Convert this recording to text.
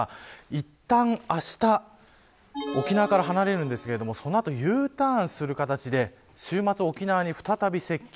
いったん、あした沖縄から離れるんですけどその後、Ｕターンする形で週末、沖縄に再び接近。